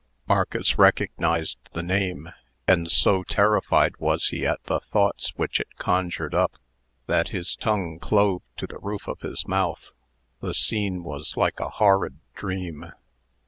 Marcus recognized the name; and so terrified was he at the thoughts which it conjured up, that his tongue clove to the roof of his mouth. The scene was like a horrid dream.